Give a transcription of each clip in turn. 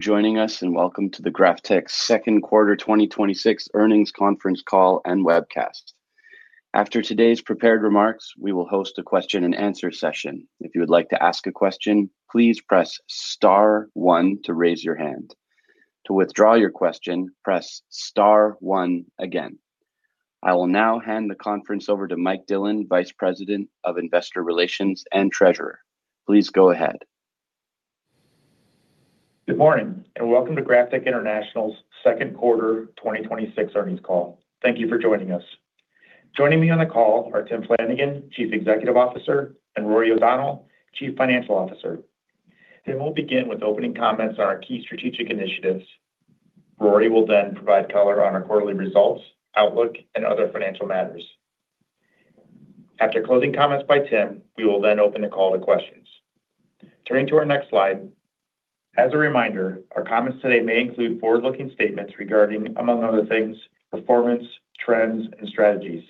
Joining us and welcome to the GrafTech second quarter 2026 earnings conference call and webcast. After today's prepared remarks, we will host a question-and-answer session. If you would like to ask a question, please press star one to raise your hand. To withdraw your question, press star one again. I will now hand the conference over to Mike Dillon, Vice President of Investor Relations and Treasurer. Please go ahead. Good morning, and welcome to GrafTech International's second quarter 2026 earnings call. Thank you for joining us. Joining me on the call are Tim Flanagan, Chief Executive Officer, and Rory O'Donnell, Chief Financial Officer. Tim will begin with opening comments on our key strategic initiatives. Rory will then provide color on our quarterly results, outlook, and other financial matters. After closing comments by Tim, we will then open the call to questions. Turning to our next slide. As a reminder, our comments today may include Forward-Looking statements regarding, among other things, performance, trends, and strategies.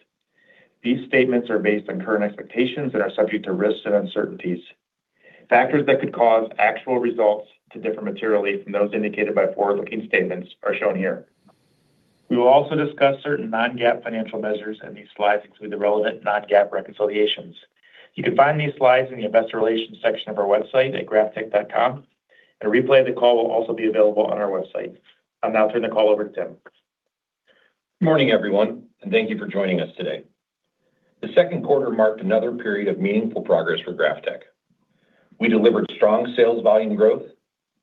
These statements are based on current expectations that are subject to risks and uncertainties. Factors that could cause actual results to differ materially from those indicated by Forward-Looking statements are shown here. We will also discuss certain non-GAAP financial measures, and these slides include the relevant non-GAAP reconciliations. You can find these slides in the investor relations section of our website at graftech.com, and a replay of the call will also be available on our website. I'll now turn the call over to Tim. Good morning, everyone, and thank you for joining us today. The second quarter marked another period of meaningful progress for GrafTech. We delivered strong sales volume growth,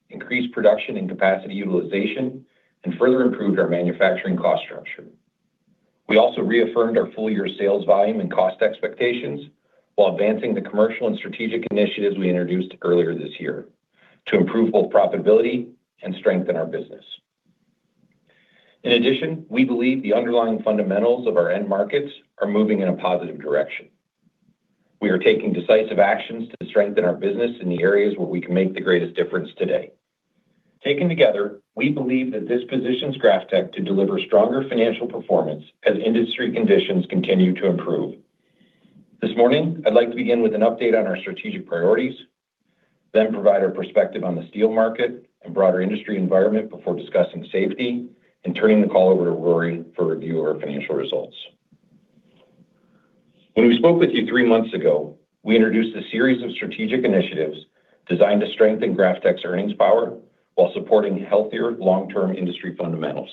increased production and capacity utilization, and further improved our manufacturing cost structure. We also reaffirmed our full-year sales volume and cost expectations while advancing the commercial and strategic initiatives we introduced earlier this year to improve both profitability and strengthen our business. In addition, we believe the underlying fundamentals of our end markets are moving in a positive direction. We are taking decisive actions to strengthen our business in the areas where we can make the greatest difference today. Taken together, we believe that this positions GrafTech to deliver stronger financial performance as industry conditions continue to improve. This morning, I'd like to begin with an update on our strategic priorities, then provide our perspective on the steel market and broader industry environment before discussing safety and turning the call over to Rory for review of our financial results. When we spoke with you three months ago, we introduced a series of strategic initiatives designed to strengthen GrafTech's earnings power while supporting healthier long-term industry fundamentals.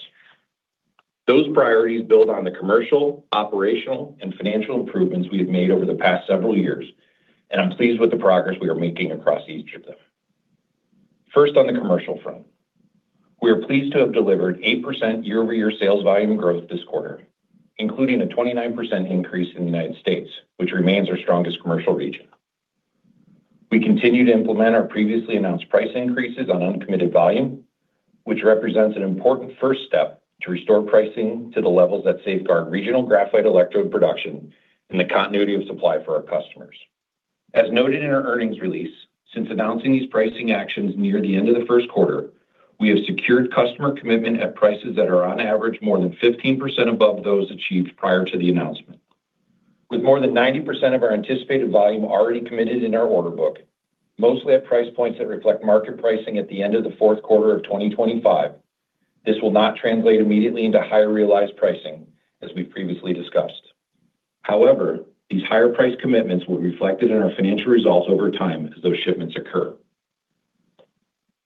Those priorities build on the commercial, operational, and financial improvements we have made over the past several years, and I'm pleased with the progress we are making across each of them. First, on the commercial front. We are pleased to have delivered 8% year-over-year sales volume growth this quarter, including a 29% increase in the United States, which remains our strongest commercial region. We continue to implement our previously announced price increases on uncommitted volume, which represents an important first step to restore pricing to the levels that safeguard regional graphite electrode production and the continuity of supply for our customers. As noted in our earnings release, since announcing these pricing actions near the end of the first quarter, we have secured customer commitment at prices that are on average more than 15% above those achieved prior to the announcement. With more than 90% of our anticipated volume already committed in our order book, mostly at price points that reflect market pricing at the end of the fourth quarter of 2025, this will not translate immediately into higher realized pricing, as we previously discussed. However, these higher price commitments will be reflected in our financial results over time as those shipments occur.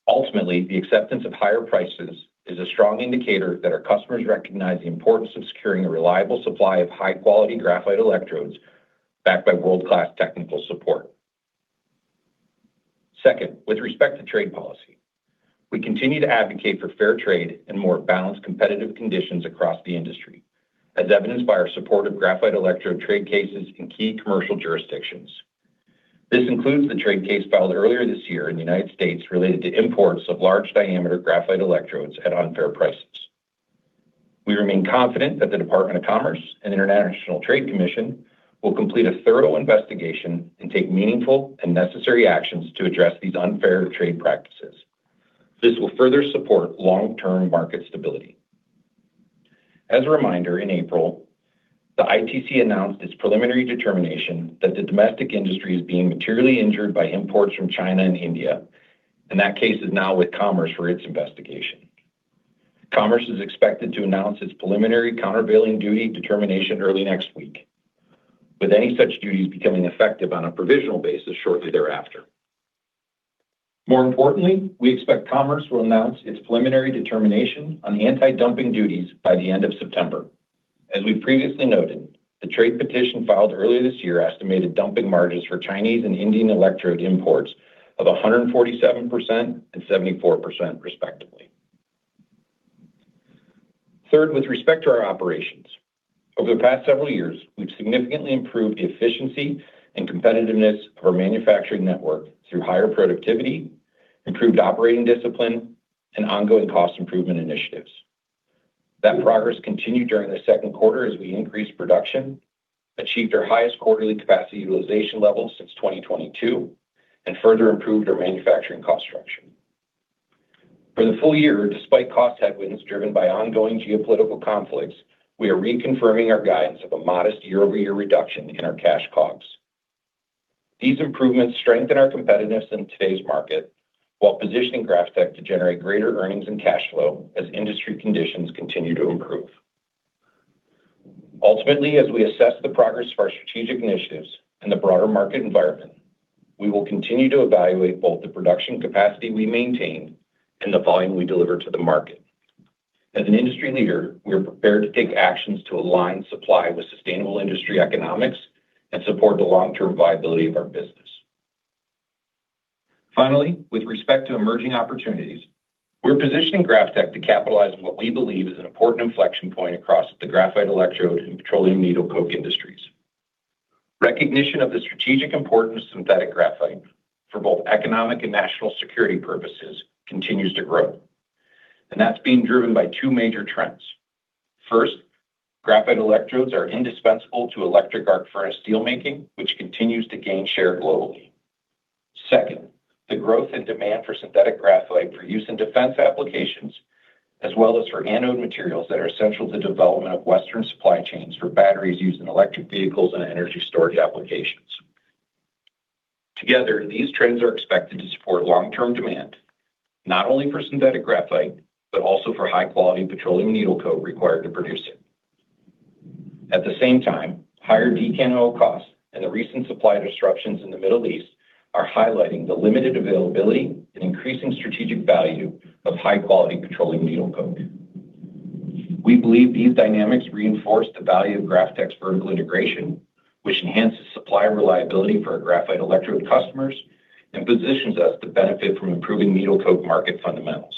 Ultimately, the acceptance of higher prices is a strong indicator that our customers recognize the importance of securing a reliable supply of high-quality graphite electrodes backed by world-class technical support. Second, with respect to trade policy. We continue to advocate for fair trade and more balanced competitive conditions across the industry, as evidenced by our support of graphite electrode trade cases in key commercial jurisdictions. This includes the trade case filed earlier this year in the United States related to imports of large-diameter graphite electrodes at unfair prices. We remain confident that the Department of Commerce and International Trade Commission will complete a thorough investigation and take meaningful and necessary actions to address these unfair trade practices. This will further support long-term market stability. As a reminder, in April, the ITC announced its preliminary determination that the domestic industry is being materially injured by imports from China and India, and that case is now with Commerce for its investigation. Commerce is expected to announce its preliminary countervailing duty determination early next week, with any such duties becoming effective on a provisional basis shortly thereafter. More importantly, we expect Commerce will announce its preliminary determination on the anti-dumping duties by the end of September. As we previously noted, the trade petition filed earlier this year estimated dumping margins for Chinese and Indian electrode imports of 147% and 74%, respectively. Third, with respect to our operations. Over the past several years, we've significantly improved the efficiency and competitiveness of our manufacturing network through higher productivity, improved operating discipline, and ongoing cost improvement initiatives. That progress continued during the second quarter as we increased production, achieved our highest quarterly capacity utilization levels since 2022, and further improved our manufacturing cost structure. For the full-year, despite cost headwinds driven by ongoing geopolitical conflicts, we are reconfirming our guidance of a modest year-over-year reduction in our Cash COGS. These improvements strengthen our competitiveness in today's market, while positioning GrafTech to generate greater earnings and cash flow as industry conditions continue to improve. Ultimately, as we assess the progress of our strategic initiatives and the broader market environment, we will continue to evaluate both the production capacity we maintain and the volume we deliver to the market. As an industry leader, we are prepared to take actions to align supply with sustainable industry economics and support the long-term viability of our business. Finally, with respect to emerging opportunities, we're positioning GrafTech to capitalize on what we believe is an important inflection point across the graphite electrode and petroleum needle coke industries. Recognition of the strategic importance of synthetic graphite for both economic and national security purposes continues to grow. That's being driven by two major trends. First, graphite electrodes are indispensable to electric arc furnace steelmaking, which continues to gain share globally. Second, the growth in demand for synthetic graphite for use in defense applications, as well as for anode materials that are central to development of Western supply chains for batteries used in electric vehicles and energy storage applications. Together, these trends are expected to support long-term demand, not only for synthetic graphite, but also for high-quality petroleum needle coke required to produce it. At the same time, higher decant oil costs and the recent supply disruptions in the Middle East are highlighting the limited availability and increasing strategic value of high-quality petroleum needle coke. We believe these dynamics reinforce the value of GrafTech's vertical integration, which enhances supply reliability for our graphite electrode customers and positions us to benefit from improving needle coke market fundamentals.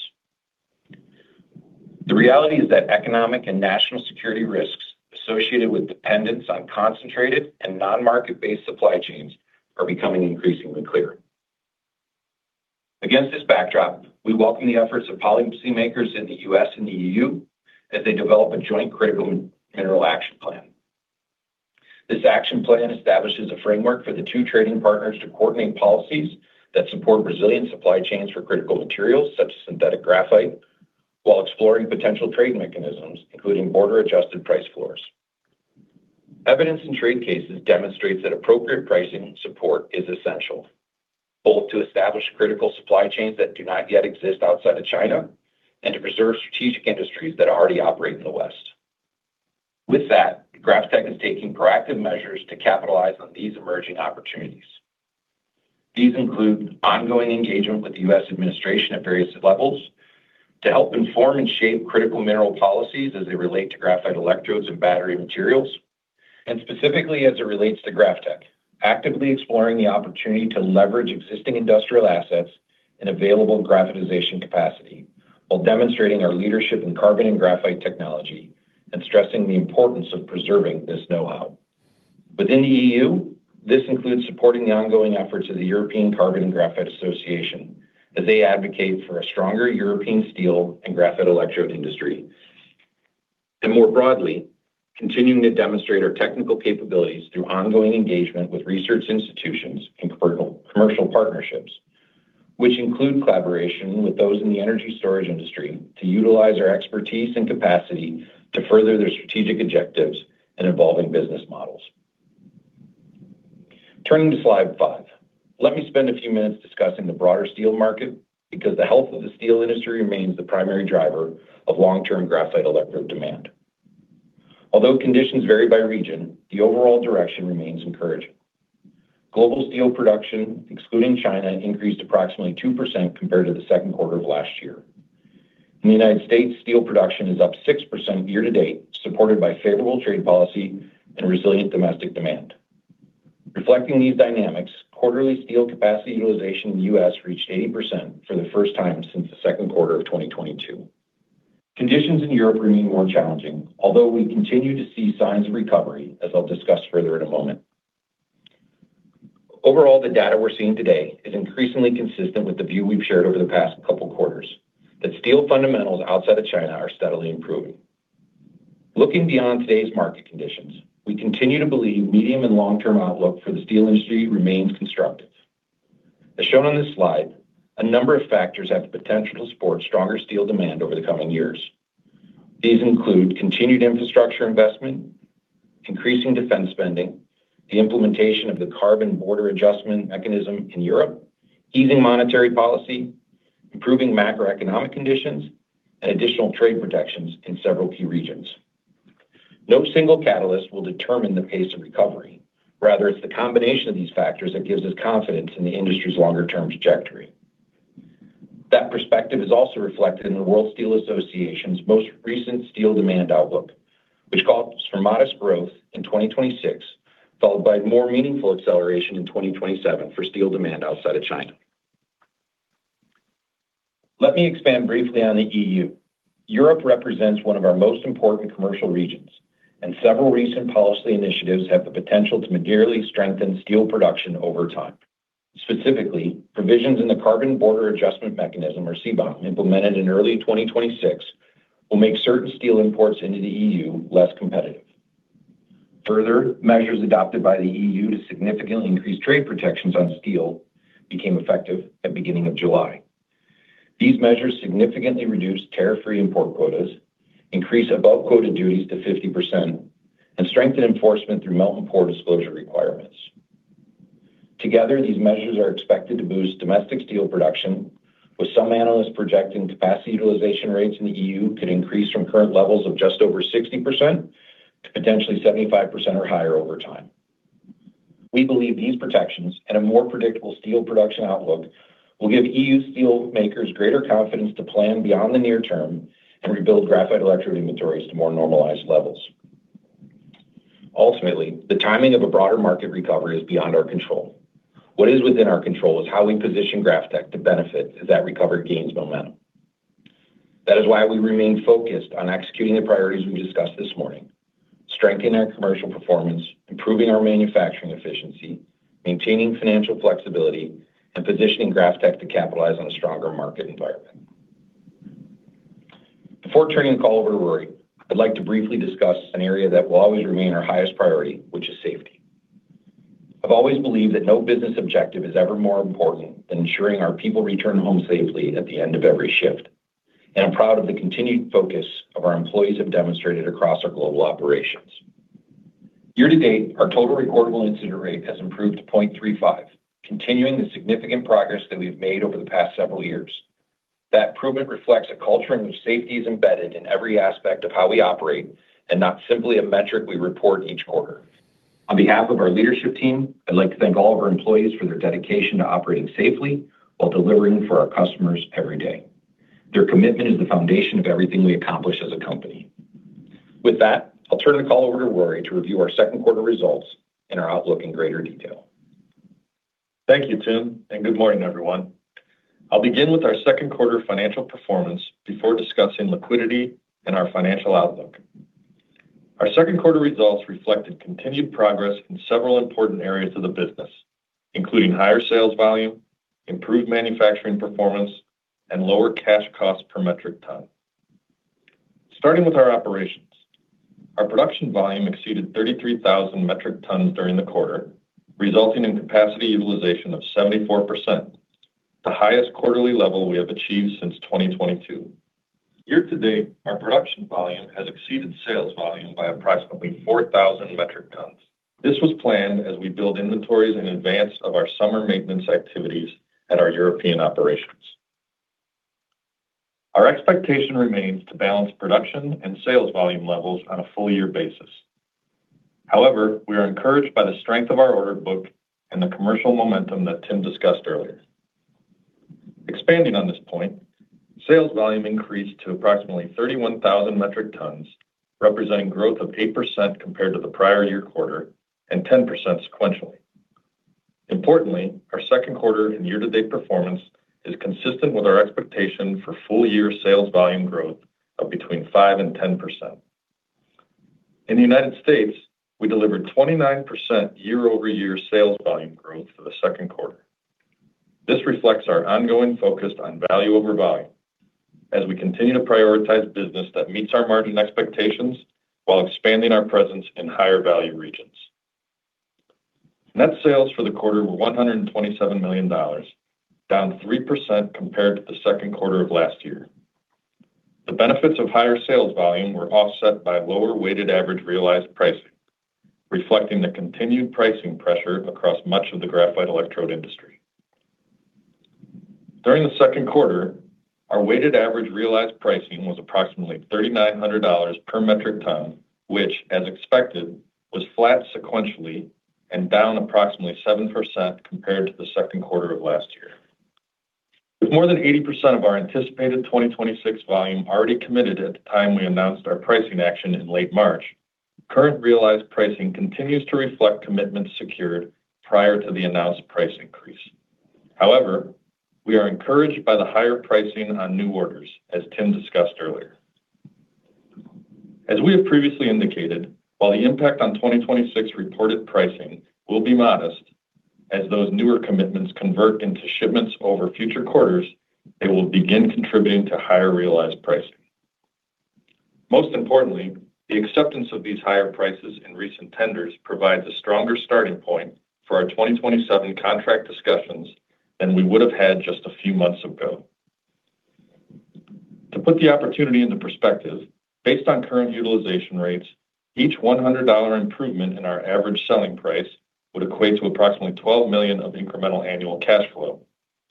The reality is that economic and national security risks associated with dependence on concentrated and non-market-based supply chains are becoming increasingly clear. Against this backdrop, we welcome the efforts of policymakers in the U.S. and the EU as they develop a joint critical mineral action plan. This action plan establishes a framework for the two trading partners to coordinate policies that support resilient supply chains for critical materials such as synthetic graphite, while exploring potential trade mechanisms, including border-adjusted price floors. Evidence in trade cases demonstrates that appropriate pricing support is essential, both to establish critical supply chains that do not yet exist outside of China and to preserve strategic industries that already operate in the West. GrafTech is taking proactive measures to capitalize on these emerging opportunities. These include ongoing engagement with the U.S. administration at various levels to help inform and shape critical mineral policies as they relate to graphite electrodes and battery materials, and specifically as it relates to GrafTech, actively exploring the opportunity to leverage existing industrial assets and available graphitization capacity while demonstrating our leadership in carbon and graphite technology and stressing the importance of preserving this know-how. Within the EU, this includes supporting the ongoing efforts of the European Carbon and Graphite Association as they advocate for a stronger European steel and graphite electrode industry. More broadly, continuing to demonstrate our technical capabilities through ongoing engagement with research institutions and commercial partnerships, which include collaboration with those in the energy storage industry to utilize our expertise and capacity to further their strategic objectives and evolving business models. Turning to slide five. Let me spend a few minutes discussing the broader steel market, because the health of the steel industry remains the primary driver of long-term graphite electrode demand. Although conditions vary by region, the overall direction remains encouraging. Global steel production, excluding China, increased approximately 2% compared to the second quarter of last year. In the United States, steel production is up 6% year-to-date, supported by favorable trade policy and resilient domestic demand. Reflecting these dynamics, quarterly steel capacity utilization in the U.S. reached 80% for the first time since the second quarter of 2022. Conditions in Europe remain more challenging, although we continue to see signs of recovery, as I'll discuss further in a moment. Overall, the data we're seeing today is increasingly consistent with the view we've shared over the past couple quarters, that steel fundamentals outside of China are steadily improving. Looking beyond today's market conditions, we continue to believe medium and long-term outlook for the steel industry remains constructive. As shown on this slide, a number of factors have the potential to support stronger steel demand over the coming years. These include continued infrastructure investment, increasing defense spending, the implementation of the Carbon Border Adjustment Mechanism in Europe, easing monetary policy, improving macroeconomic conditions, and additional trade protections in several key regions. No single catalyst will determine the pace of recovery. Rather, it's the combination of these factors that gives us confidence in the industry's longer-term trajectory. That perspective is also reflected in the World Steel Association's most recent steel demand outlook, which calls for modest growth in 2026, followed by more meaningful acceleration in 2027 for steel demand outside of China. Let me expand briefly on the EU. Europe represents one of our most important commercial regions. Several recent policy initiatives have the potential to materially strengthen steel production over time. Specifically, provisions in the Carbon Border Adjustment Mechanism, or CBAM, implemented in early 2026, will make certain steel imports into the EU less competitive. Further, measures adopted by the EU to significantly increase trade protections on steel became effective at beginning of July. These measures significantly reduce tariff-free import quotas, increase above-quota duties to 50%, and strengthen enforcement through melt and pour disclosure requirements. Together, these measures are expected to boost domestic steel production, with some analysts projecting capacity utilization rates in the EU could increase from current levels of just over 60% to potentially 75% or higher over time. We believe these protections and a more predictable steel production outlook will give EU steelmakers greater confidence to plan beyond the near term and rebuild graphite electrode inventories to more normalized levels. Ultimately, the timing of a broader market recovery is beyond our control. What is within our control is how we position GrafTech to benefit as that recovery gains momentum. That is why we remain focused on executing the priorities we discussed this morning, strengthening our commercial performance, improving our manufacturing efficiency, maintaining financial flexibility, and positioning GrafTech to capitalize on a stronger market environment. Before turning the call over to Rory, I'd like to briefly discuss an area that will always remain our highest priority, which is safety. I've always believed that no business objective is ever more important than ensuring our people return home safely at the end of every shift, and I'm proud of the continued focus our employees have demonstrated across our global operations. Year-to-date, our total recordable incident rate has improved to 0.35, continuing the significant progress that we've made over the past several years. That improvement reflects a culture in which safety is embedded in every aspect of how we operate and not simply a metric we report each quarter. On behalf of our leadership team, I'd like to thank all of our employees for their dedication to operating safely while delivering for our customers every day. Their commitment is the foundation of everything we accomplish as a company. With that, I'll turn the call over to Rory to review our second quarter results and our outlook in greater detail. Thank you, Tim, good morning, everyone. I'll begin with our second quarter financial performance before discussing liquidity and our financial outlook. Our second quarter results reflected continued progress in several important areas of the business, including higher sales volume, improved manufacturing performance, and lower cash costs per metric ton. Starting with our operations, our production volume exceeded 33,000 metric tons during the quarter, resulting in capacity utilization of 74%, the highest quarterly level we have achieved since 2022. Year-to-date, our production volume has exceeded sales volume by approximately 4,000 metric tons. This was planned as we build inventories in advance of our summer maintenance activities at our European operations. Our expectation remains to balance production and sales volume levels on a full-year basis. However, we are encouraged by the strength of our order book and the commercial momentum that Tim discussed earlier. Expanding on this point, sales volume increased to approximately 31,000 metric tons, representing growth of 8% compared to the prior year quarter and 10% sequentially. Importantly, our second quarter and year-to-date performance is consistent with our expectation for full-year sales volume growth of between 5%-10%. In the U.S., we delivered 29% year-over-year sales volume growth for the second quarter. This reflects our ongoing focus on value over volume as we continue to prioritize business that meets our margin expectations while expanding our presence in higher-value regions. Net sales for the quarter were $127 million, down 3% compared to the second quarter of last year. The benefits of higher sales volume were offset by lower weighted average realized pricing, reflecting the continued pricing pressure across much of the graphite electrode industry. During the second quarter, our weighted average realized pricing was approximately $3,900 per metric ton, which, as expected, was flat sequentially and down approximately 7% compared to the second quarter of last year. With more than 80% of our anticipated 2026 volume already committed at the time we announced our pricing action in late March, current realized pricing continues to reflect commitments secured prior to the announced price increase. However, we are encouraged by the higher pricing on new orders, as Tim discussed earlier. As we have previously indicated, while the impact on 2026 reported pricing will be modest, as those newer commitments convert into shipments over future quarters, they will begin contributing to higher realized pricing. Most importantly, the acceptance of these higher prices in recent tenders provides a stronger starting point for our 2027 contract discussions than we would have had just a few months ago. To put the opportunity into perspective, based on current utilization rates, each $100 improvement in our average selling price would equate to approximately $12 million of incremental annual cash flow,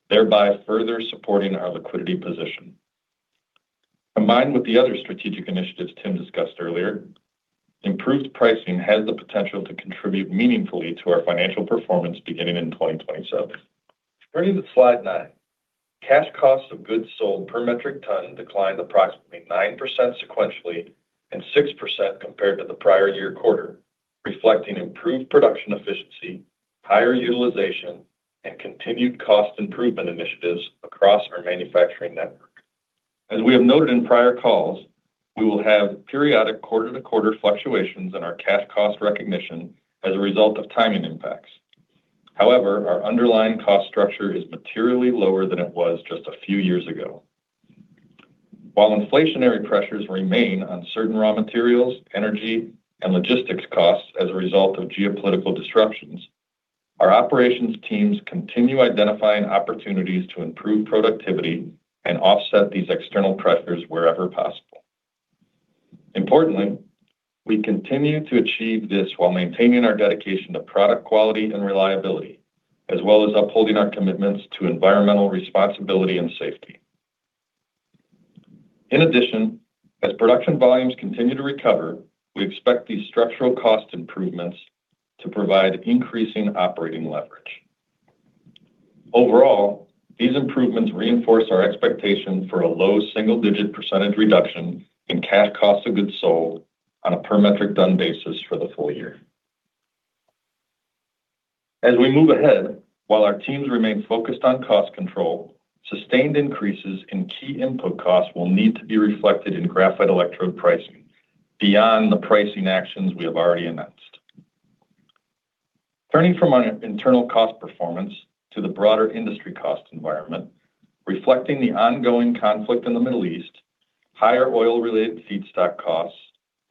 thereby further supporting our liquidity position. Combined with the other strategic initiatives Tim discussed earlier, improved pricing has the potential to contribute meaningfully to our financial performance beginning in 2027. Turning to slide nine, cash costs of goods sold per metric ton declined approximately 9% sequentially and 6% compared to the prior year quarter, reflecting improved production efficiency, higher utilization, and continued cost improvement initiatives across our manufacturing network. As we have noted in prior calls, we will have periodic quarter-to-quarter fluctuations in our cash cost recognition as a result of timing impacts. However, our underlying cost structure is materially lower than it was just a few years ago. While inflationary pressures remain on certain raw materials, energy, and logistics costs as a result of geopolitical disruptions, our operations teams continue identifying opportunities to improve productivity and offset these external pressures wherever possible. Importantly, we continue to achieve this while maintaining our dedication to product quality and reliability, as well as upholding our commitments to environmental responsibility and safety. In addition, as production volumes continue to recover, we expect these structural cost improvements to provide increasing operating leverage. Overall, these improvements reinforce our expectation for a low single-digit percentage reduction in cash cost of goods sold on a per metric ton basis for the full-year. As we move ahead, while our teams remain focused on cost control, sustained increases in key input costs will need to be reflected in graphite electrode pricing beyond the pricing actions we have already announced. Turning from our internal cost performance to the broader industry cost environment, reflecting the ongoing conflict in the Middle East, higher oil-related feedstock costs,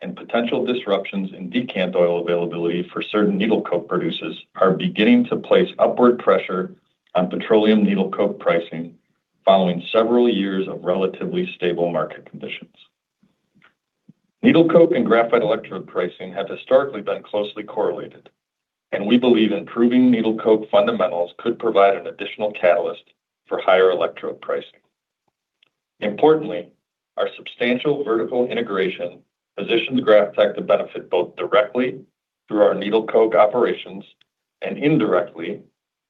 and potential disruptions in decant oil availability for certain needle coke producers are beginning to place upward pressure on petroleum needle coke pricing following several years of relatively stable market conditions. Needle coke and graphite electrode pricing have historically been closely correlated, and we believe improving needle coke fundamentals could provide an additional catalyst for higher electrode pricing. Importantly, our substantial vertical integration positions GrafTech to benefit both directly through our needle coke operations and indirectly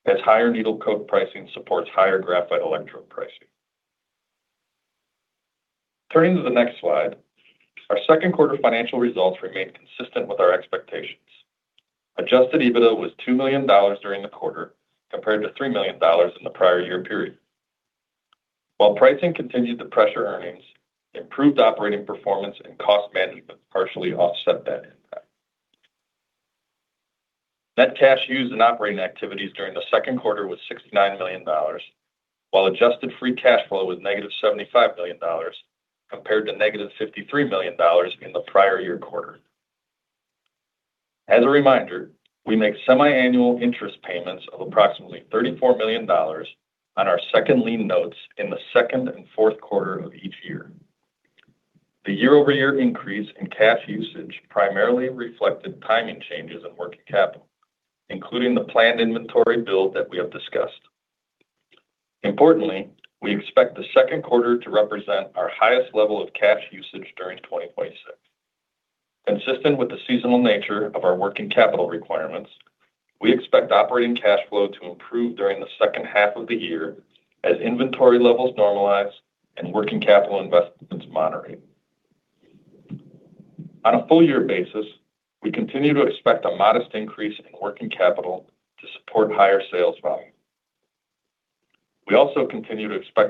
as higher needle coke pricing supports higher graphite electrode pricing. Turning to the next slide, our second quarter financial results remained consistent with our expectations. Adjusted EBITDA was $2 million during the quarter, compared to $3 million in the prior year period. While pricing continued to pressure earnings, improved operating performance and cost management partially offset that impact. Net cash used in operating activities during the second quarter was $69 million, while adjusted free cash flow was -$75 million, compared to -$53 million in the prior year quarter. As a reminder, we make semiannual interest payments of approximately $34 million on our second lien notes in the second and fourth quarter of each year. The year-over-year increase in cash usage primarily reflected timing changes in working capital, including the planned inventory build that we have discussed. Importantly, we expect the second quarter to represent our highest level of cash usage during 2026. Consistent with the seasonal nature of our working capital requirements, we expect operating cash flow to improve during the second half of the year as inventory levels normalize and working capital investments moderate. On a full-year basis, we continue to expect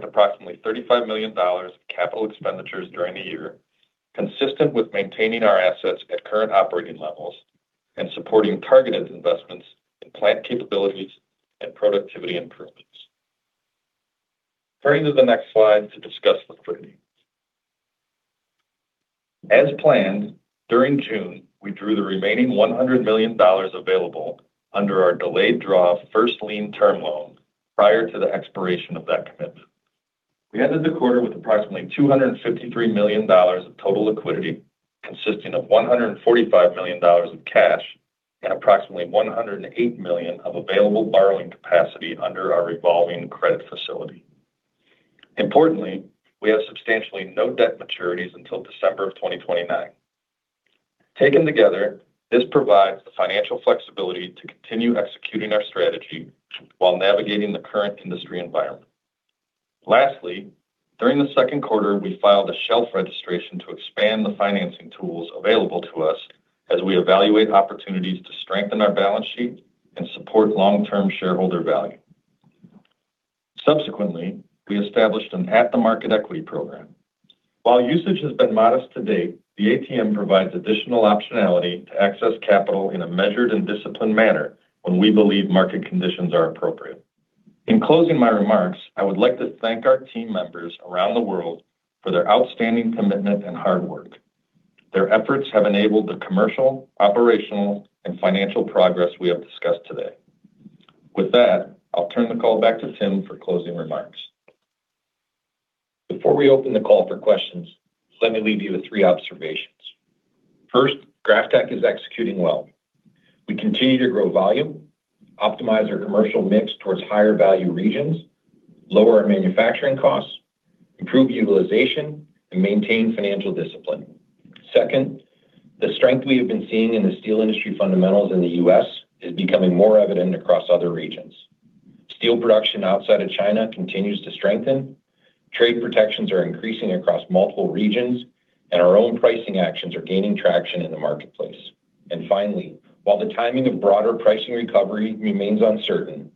approximately $35 million of capital expenditures during the year, consistent with maintaining our assets at current operating levels and supporting targeted investments in plant capabilities and productivity improvements. Turning to the next slide to discuss liquidity. As planned, during June, we drew the remaining $100 million available under our delayed draw first-lien term loan prior to the expiration of that commitment. We ended the quarter with approximately $253 million of total liquidity, consisting of $145 million of cash and approximately $108 million of available borrowing capacity under our revolving credit facility. Importantly, we have substantially no debt maturities until December of 2029. Taken together, this provides the financial flexibility to continue executing our strategy while navigating the current industry environment. Lastly, during the second quarter, we filed a shelf registration to expand the financing tools available to us as we evaluate opportunities to strengthen our balance sheet and support long-term shareholder value. Subsequently, we established an at-the-market equity program. While usage has been modest to date, the ATM provides additional optionality to access capital in a measured and disciplined manner when we believe market conditions are appropriate. In closing my remarks, I would like to thank our team members around the world for their outstanding commitment and hard work. Their efforts have enabled the commercial, operational, and financial progress we have discussed today. I'll turn the call back to Tim for closing remarks. Before we open the call for questions, let me leave you with three observations. First, GrafTech is executing well. We continue to grow volume, optimize our commercial mix towards higher-value regions, lower our manufacturing costs, improve utilization, and maintain financial discipline. Second, the strength we have been seeing in the steel industry fundamentals in the U.S. is becoming more evident across other regions. Steel production outside of China continues to strengthen. Trade protections are increasing across multiple regions, and our own pricing actions are gaining traction in the marketplace. Finally, while the timing of broader pricing recovery remains uncertain,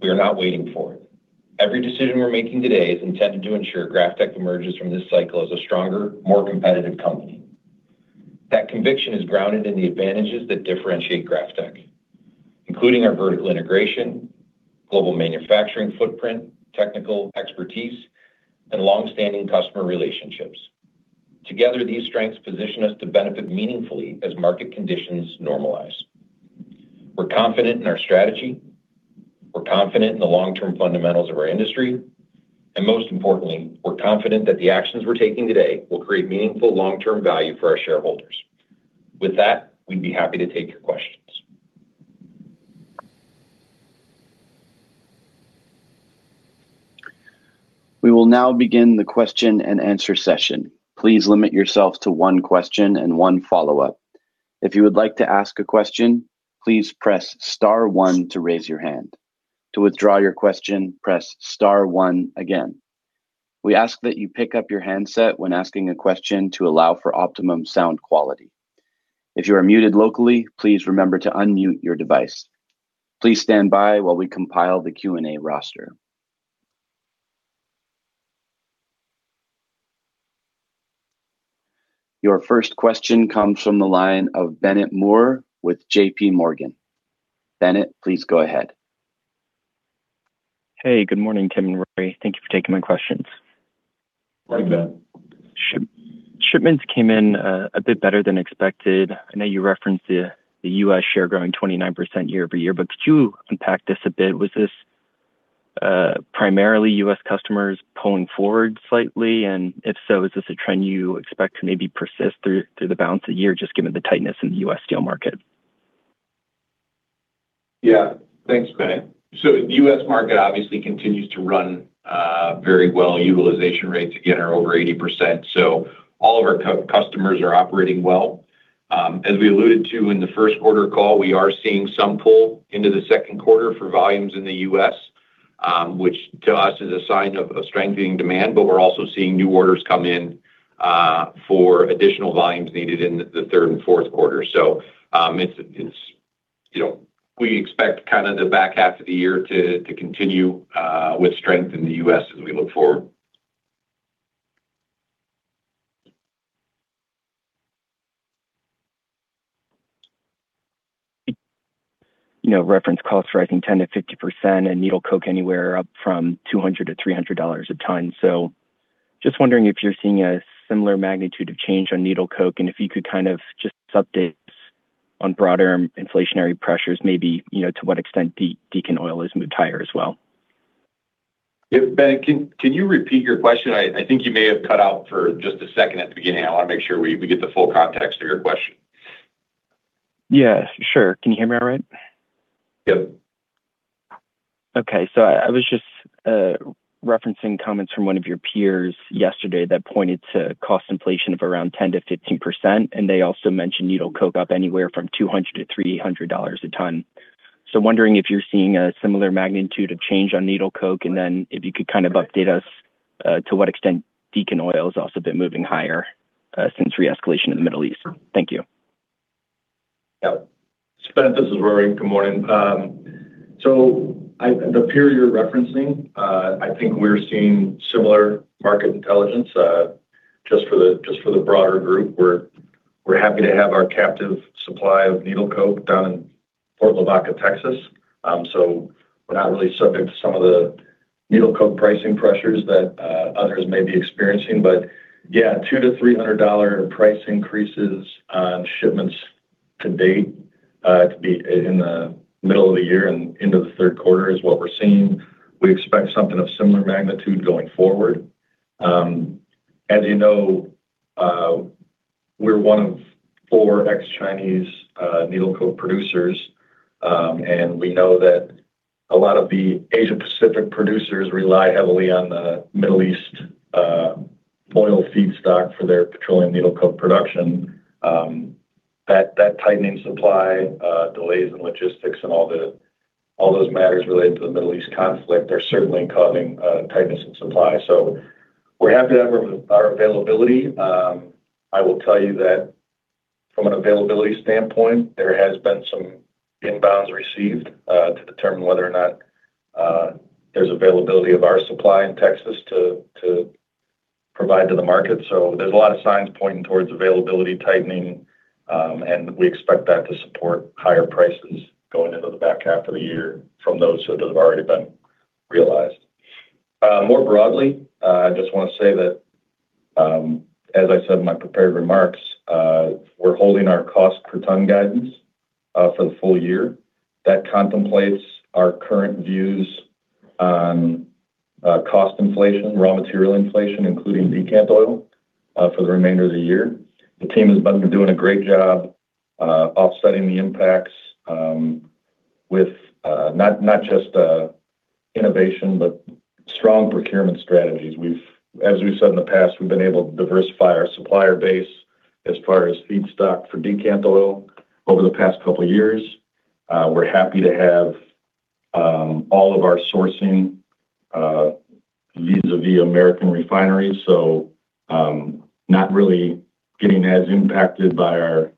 we are not waiting for it. Every decision we're making today is intended to ensure GrafTech emerges from this cycle as a stronger, more competitive company. That conviction is grounded in the advantages that differentiate GrafTech, including our vertical integration, global manufacturing footprint, technical expertise, and longstanding customer relationships. Together, these strengths position us to benefit meaningfully as market conditions normalize. We're confident in our strategy. We're confident in the long-term fundamentals of our industry. And most importantly, we're confident that the actions we're taking today will create meaningful long-term value for our shareholders. With that, we'd be happy to take your questions. We will now begin the question-and-answer session. Please limit yourself to one question and one follow-up. If you would like to ask a question, please press star one to raise your hand. To withdraw your question, press star one again. We ask that you pick up your handset when asking a question to allow for optimum sound quality. If you are muted locally, please remember to unmute your device. Please stand by while we compile the Q&A roster. Your first question comes from the line of Bennett Moore with JPMorgan. Bennett, please go ahead. Hey, good morning, Tim and Rory. Thank you for taking my questions. Morning, Ben. Shipments came in a bit better than expected. I know you referenced the U.S. share growing 29% year-over-year, could you unpack this a bit? Was this primarily U.S. customers pulling forward slightly? If so, is this a trend you expect to maybe persist through the balance of the year, just given the tightness in the U.S. steel market? Yeah. Thanks, Bennett. The U.S. market obviously continues to run very well. Utilization rates, again, are over 80%, all of our customers are operating well. As we alluded to in the first quarter call, we are seeing some pull into the second quarter for volumes in the U.S., which to us is a sign of strengthening demand, we're also seeing new orders come in for additional volumes needed in the third and fourth quarter. We expect the back half of the year to continue with strength in the U.S. as we look forward. Reference costs rising 10%-50% and needle coke anywhere up from $200-$300 a ton. Just wondering if you're seeing a similar magnitude of change on needle coke, and if you could just update us on broader inflationary pressures, maybe to what extent decant oil has moved higher as well. Ben, can you repeat your question? I think you may have cut out for just a second at the beginning. I want to make sure we get the full context of your question. Yeah, sure. Can you hear me all right? Yep. Okay. I was just referencing comments from one of your peers yesterday that pointed to cost inflation of around 10%-15%, and they also mentioned needle coke up anywhere from $200-$300 a ton. Wondering if you're seeing a similar magnitude of change on needle coke, and then if you could update us to what extent decant oil has also been moving higher since re-escalation in the Middle East. Thank you. Yeah. Bennett, this is Rory. Good morning. The peer you're referencing, I think we're seeing similar market intelligence, just for the broader group. We're happy to have our captive supply of needle coke down in Port Lavaca, Texas. We're not really subject to some of the needle coke pricing pressures that others may be experiencing. Yeah, $200-$300 price increases on shipments to date, to be in the middle of the year and into the third quarter is what we're seeing. We expect something of similar magnitude going forward. As you know, we're one of four ex-Chinese needle coke producers. We know that a lot of the Asia Pacific producers rely heavily on the Middle East oil feedstock for their petroleum needle coke production. That tightening supply, delays in logistics and all those matters related to the Middle East conflict are certainly causing a tightness in supply. We're happy to have our availability. I will tell you that from an availability standpoint, there has been some inbounds received to determine whether or not there's availability of our supply in Texas to provide to the market. There's a lot of signs pointing towards availability tightening, and we expect that to support higher prices going into the back half of the year from those that have already been realized. More broadly, I just want to say that, as I said in my prepared remarks, we're holding our cost per ton guidance for the full-year. That contemplates our current views on cost inflation, raw material inflation, including decant oil, for the remainder of the year. The team has been doing a great job offsetting the impacts with not just innovation, but strong procurement strategies. As we've said in the past, we've been able to diversify our supplier base as far as feedstock for decant oil over the past couple of years. We're happy to have all of our sourcing vis-à-vis American refineries, so not really getting as impacted by our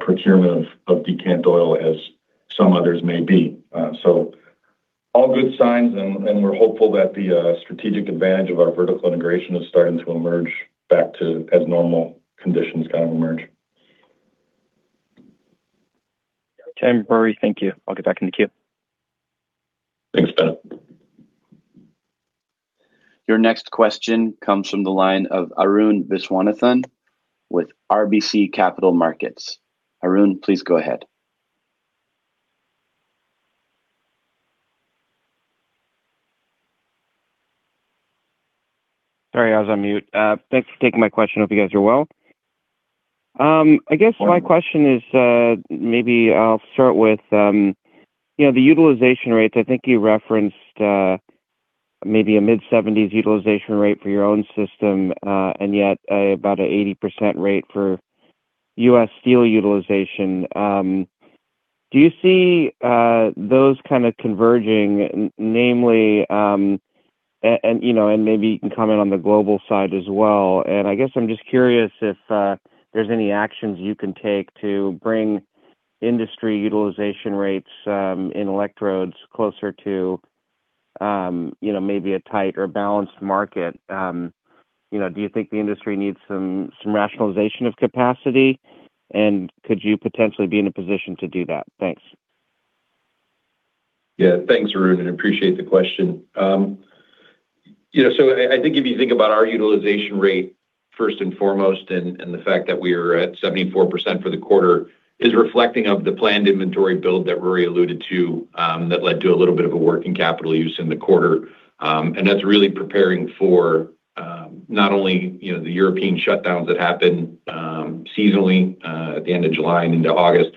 procurement of decant oil as some others may be. All good signs, and we're hopeful that the strategic advantage of our vertical integration is starting to emerge back to as normal conditions kind of emerge. Tim, Rory, thank you. I'll get back in the queue. Thanks, Bennett. Your next question comes from the line of Arun Viswanathan with RBC Capital Markets. Arun, please go ahead. Sorry, I was on mute. Thanks for taking my question. Hope you guys are well. My question is, I'll start with the utilization rates. You referenced a mid-70s utilization rate for your own system, yet about an 80% rate for U.S. steel utilization. Do you see those kind of converging? Can you comment on the global side as well? I'm curious if there are any actions you can take to bring industry utilization rates in graphite electrodes closer to a tight or balanced market. Do you think the industry needs some rationalization of capacity? Could you potentially be in a position to do that? Thanks. Thanks, Arun. Appreciate the question. Our utilization rate, first and foremost, the fact that we are at 74% for the quarter is reflective of the planned inventory build that Rory alluded to, that led to a little bit of a working capital use in the quarter. That's preparing for not only the European shutdowns that happen seasonally at the end of July and into August,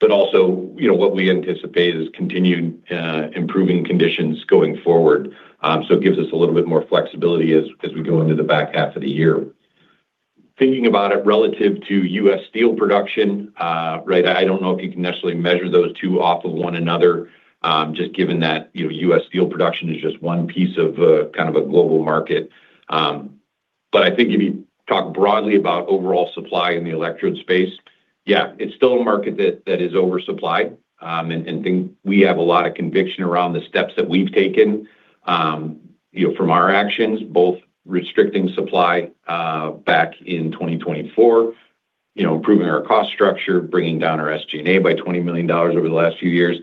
but also what we anticipate is continued improving conditions going forward. It gives us a little bit more flexibility as we go into the back half of the year. Thinking about it relative to U.S. steel production, I don't know if you can necessarily measure those two off of one another, given that U.S. steel production is one piece of a global market. Overall supply in the graphite electrode space, it's still a market that is oversupplied. We have a lot of conviction around the steps that we've taken from our actions, both restricting supply back in 2024, improving our cost structure, bringing down our SG&A by $20 million over the last few years.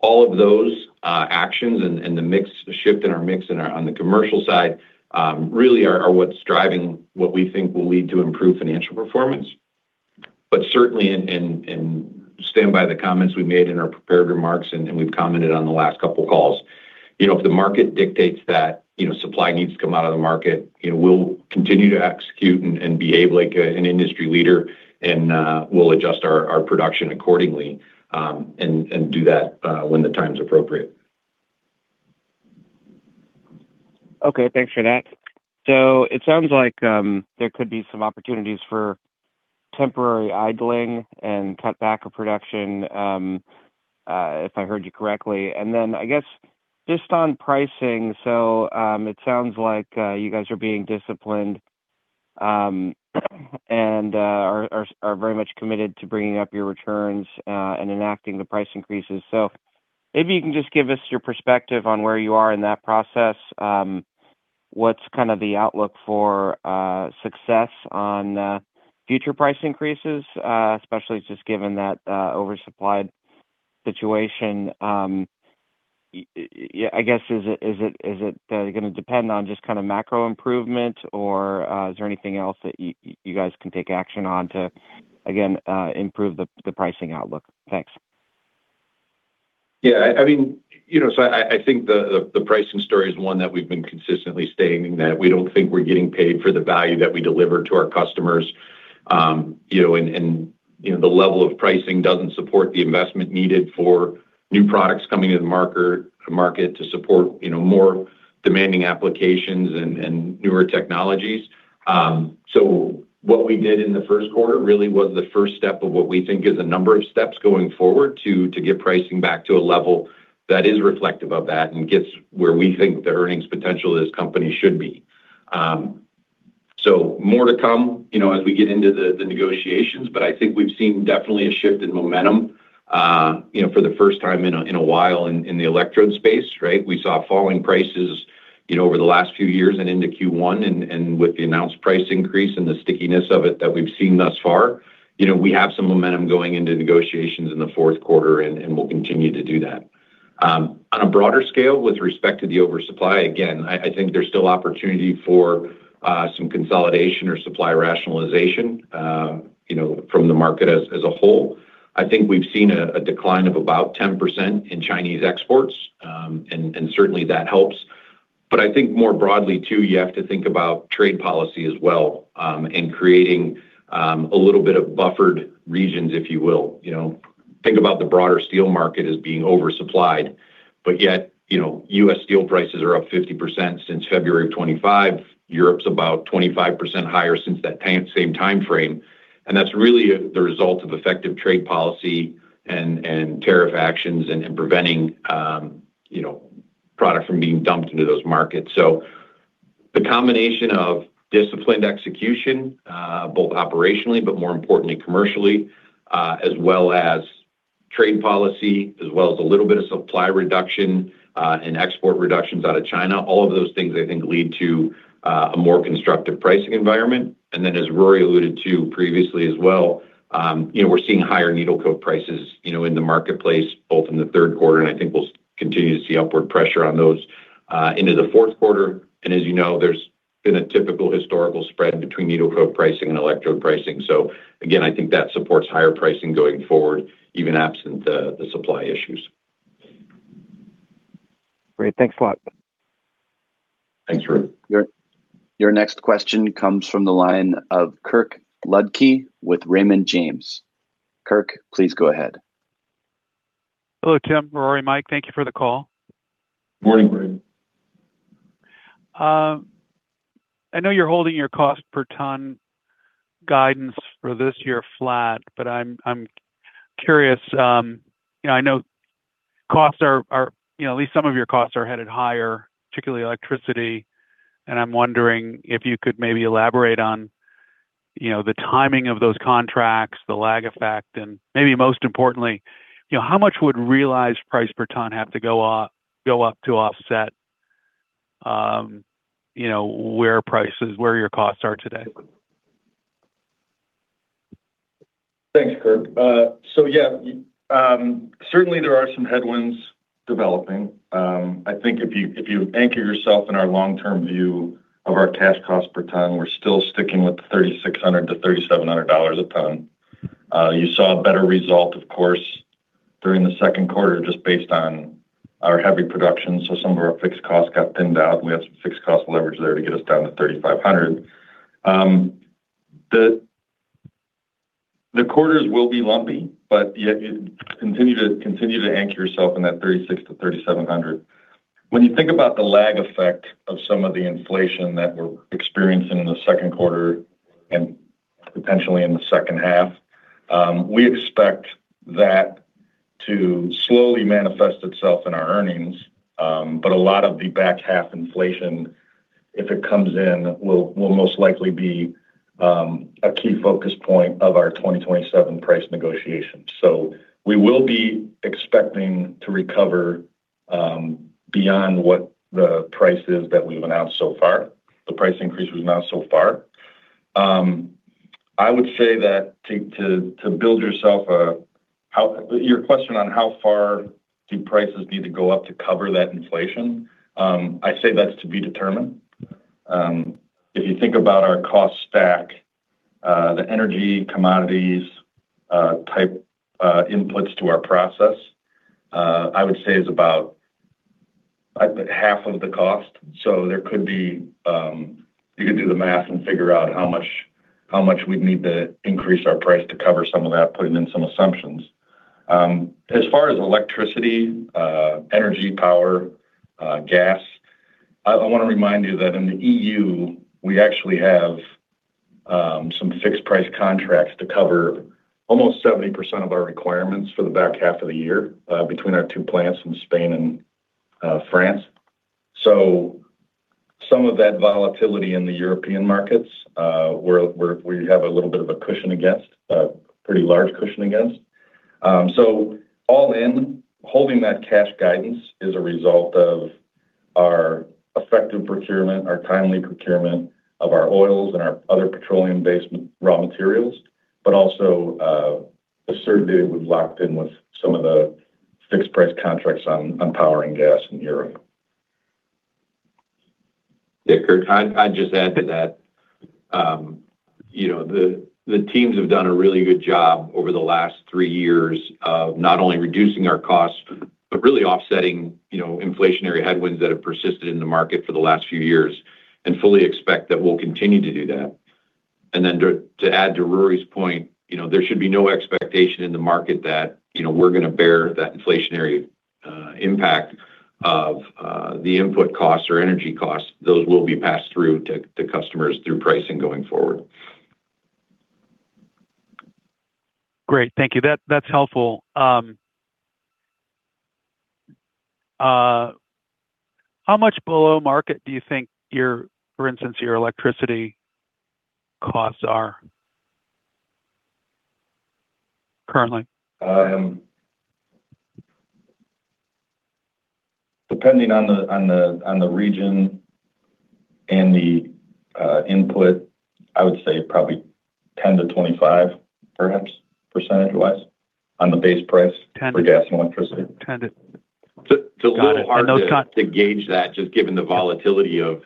All of those actions and the shift in our mix on the commercial side are what's driving what will lead to improved financial performance. Certainly, we stand by the comments we made in our prepared remarks and we've commented on the last couple of calls. If the market dictates that supply needs to come out of the market, we'll continue to execute and behave like an industry leader. We'll adjust our production accordingly and do that when the time's appropriate. Okay, thanks for that. It sounds like there could be some opportunities for temporary idling and cutback of production if I heard you correctly. On pricing, it sounds like you guys are being disciplined, are very much committed to bringing up your returns, and enacting the price increases. Can you give us your perspective on where you are in that process? What's the outlook for success on future price increases, especially given that oversupplied situation? Is it going to depend on macro improvement, or is there anything else that you guys can take action on to improve the pricing outlook? Thanks. I think the pricing story is one that we've been consistently stating, that we don't think we're getting paid for the value that we deliver to our customers. The level of pricing doesn't support the investment needed for new products coming to the market to support more demanding applications and newer technologies. What we did in the first quarter really was the first step of what we think is a number of steps going forward to get pricing back to a level that is reflective of that and gets where we think the earnings potential of this company should be. More to come as we get into the negotiations, but I think we've seen definitely a shift in momentum for the first time in a while in the electrode space, right? We saw falling prices over the last few years and into Q1 and with the announced price increase and the stickiness of it that we've seen thus far, we have some momentum going into negotiations in the fourth quarter and we'll continue to do that. On a broader scale, with respect to the oversupply, again, I think there's still opportunity for some consolidation or supply rationalization from the market as a whole. I think we've seen a decline of about 10% in Chinese exports, and certainly that helps. I think more broadly too, you have to think about trade policy as well, and creating a little bit of buffered regions, if you will. Think about the broader steel market as being oversupplied, yet, U.S. steel prices are up 50% since February of 2025. Europe's about 25% higher since that same timeframe, and that's really the result of effective trade policy and tariff actions and preventing product from being dumped into those markets. The combination of disciplined execution, both operationally, but more importantly commercially, as well as trade policy, as well as a little bit of supply reduction and export reductions out of China. All of those things, I think, lead to a more constructive pricing environment. As Rory alluded to previously as well, we're seeing higher needle coke prices in the marketplace, both in the third quarter, and I think we'll continue to see upward pressure on those into the fourth quarter. As you know, there's been a typical historical spread between needle coke pricing and electrode pricing. Again, I think that supports higher pricing going forward, even absent the supply issues. Great. Thanks a lot. Thanks, Rory. Your next question comes from the line of Kirk Ludtke with Raymond James. Kirk, please go ahead. Hello, Tim, Rory, Mike. Thank you for the call. Morning, Kirk. I know you're holding your cost per ton guidance for this year flat. I'm curious. I know at least some of your costs are headed higher, particularly electricity. I'm wondering if you could maybe elaborate on the timing of those contracts, the lag effect, and maybe most importantly, how much would realized price per ton have to go up to offset where your costs are today? Thanks, Kirk. Yeah. Certainly, there are some headwinds developing. I think if you anchor yourself in our long-term view of our cash cost per ton, we're still sticking with the $3,600-$3,700 a ton. You saw a better result, of course, during the second quarter just based on our heavy production. Some of our fixed costs got thinned out, and we had some fixed cost leverage there to get us down to $3,500. The quarters will be lumpy. Yet you continue to anchor yourself in that $3,600-$3,700. When you think about the lag effect of some of the inflation that we're experiencing in the second quarter and potentially in the second half, we expect that to slowly manifest itself in our earnings. A lot of the back half inflation, if it comes in, will most likely be a key focus point of our 2027 price negotiation. We will be expecting to recover beyond what the price is that we've announced so far. The price increase was announced so far. Your question on how far do prices need to go up to cover that inflation? I say that's to be determined. If you think about our cost stack, the energy commodities type inputs to our process, I would say is about half of the cost. You could do the math and figure out how much we'd need to increase our price to cover some of that, putting in some assumptions. As far as electricity, energy power, gas, I want to remind you that in the EU, we actually have some fixed price contracts to cover almost 70% of our requirements for the back half of the year between our two plants in Spain and France. Some of that volatility in the European markets, we have a little bit of a cushion against, a pretty large cushion against. All in, holding that cash guidance is a result of our effective procurement, our timely procurement of our oils and our other petroleum-based raw materials, but also a certainty that we've locked in with some of the fixed price contracts on power and gas in Europe. Yeah, Kirk, I'd just add to that. The teams have done a really good job over the last three years of not only reducing our costs, but really offsetting inflationary headwinds that have persisted in the market for the last few years, and fully expect that we'll continue to do that. Then to add to Rory's point, there should be no expectation in the market that we're going to bear that inflationary impact of the input costs or energy costs. Those will be passed through to customers through pricing going forward. Great. Thank you. That's helpful. How much below market do you think, for instance, your electricity costs are currently? Depending on the region and the input, I would say probably 10%-25%, perhaps, percentage-wise on the base price for gas and electricity. 10% to- It's a little hard to gauge that just given the volatility of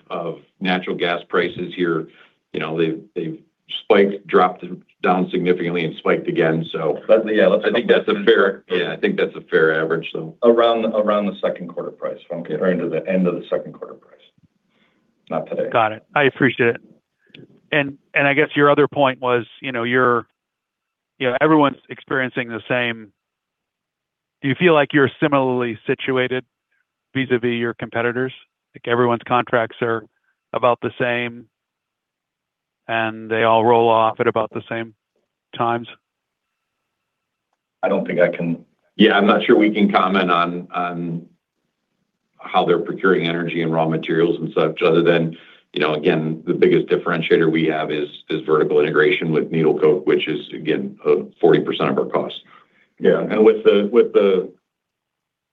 natural gas prices here. They've spiked, dropped down significantly, and spiked again. So, I think that's a fair average though. Around the second quarter price or into the end of the second quarter price. Not today. Got it. I appreciate it. I guess your other point was everyone's experiencing the same. Do you feel like you're similarly situated vis-a-vis your competitors? Like everyone's contracts are about the same and they all roll off at about the same times? I don't think I can. Yeah, I'm not sure we can comment on how they're procuring energy and raw materials and such, other than, again, the biggest differentiator we have is vertical integration with needle coke, which is, again, 40% of our cost. With the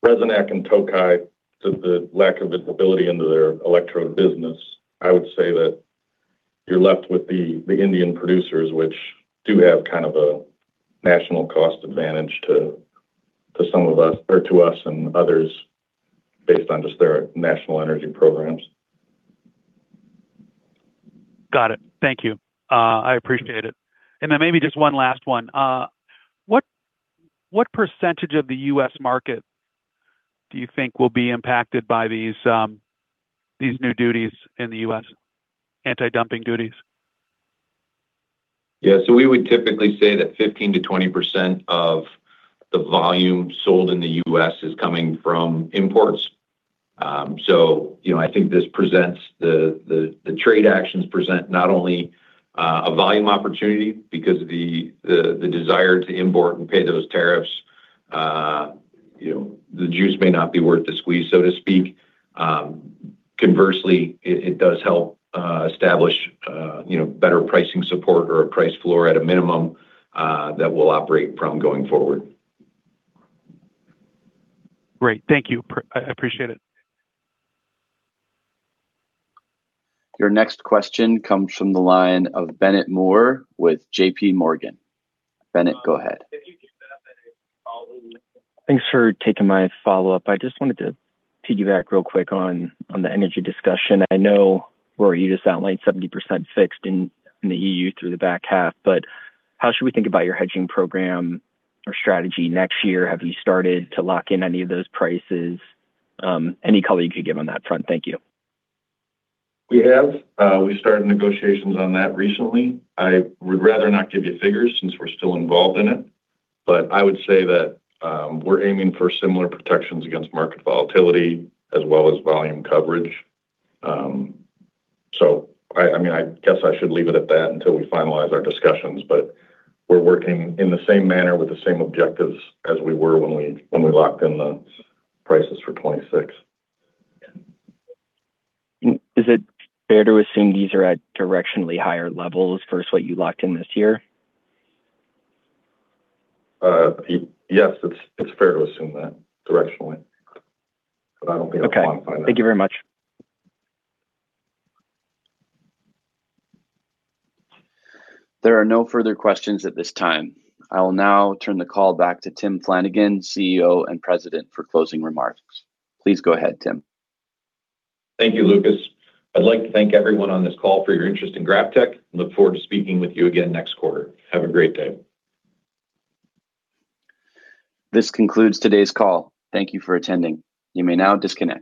Resonac and Tokai, the lack of visibility into their electrode business, I would say that you're left with the Indian producers, which do have a national cost advantage to some of us, or to us and others based on just their national energy programs. Got it. Thank you. I appreciate it. Then maybe just one last one. What percentage of the U.S. market do you think will be impacted by these new duties in the U.S., anti-dumping duties? We would typically say that 15%-20% of the volume sold in the U.S. is coming from imports. I think the trade actions present not only a volume opportunity because of the desire to import and pay those tariffs. The juice may not be worth the squeeze, so to speak. Conversely, it does help establish better pricing support or a price floor at a minimum that we'll operate from going forward. Great. Thank you. I appreciate it. Your next question comes from the line of Bennett Moore with JPMorgan. Bennett, go ahead. Thanks for taking my follow-up. I just wanted to piggyback real quick on the energy discussion. I know, Rory, you just outlined 70% fixed in the EU through the back half. How should we think about your hedging program or strategy next year? Have you started to lock in any of those prices? Any color you could give on that front. Thank you. We have. We started negotiations on that recently. I would rather not give you figures since we're still involved in it. I would say that we're aiming for similar protections against market volatility as well as volume coverage. I guess I should leave it at that until we finalize our discussions, but we're working in the same manner with the same objectives as we were when we locked in the prices for 2026. Is it fair to assume these are at directionally higher levels versus what you locked in this year? Yes, it's fair to assume that directionally, but I won't be able to quantify that. Okay. Thank you very much. There are no further questions at this time. I will now turn the call back to Tim Flanagan, CEO and President, for closing remarks. Please go ahead, Tim. Thank you, Lucas. I'd like to thank everyone on this call for your interest in GrafTech. Look forward to speaking with you again next quarter. Have a great day. This concludes today's call. Thank you for attending. You may now disconnect.